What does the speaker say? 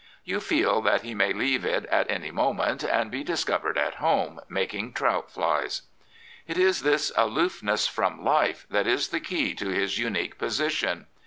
You feel that he may leave it at any moment, and be discovered at home making t^t flies. It is this aloofness from life that is the key to his unique position.